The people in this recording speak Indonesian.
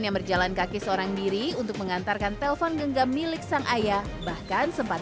yang berjalan kaki seorang diri untuk mengantarkan telpon genggam milik sang ayah bahkan sempat